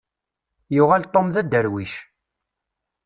Yuɣal Tom d aderwic.